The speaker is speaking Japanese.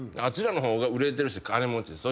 あちらの方が売れてるし金持ち。